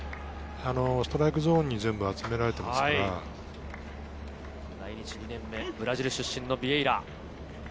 ストライクゾーンに来日２年目、ブラジル出身のビエイラ。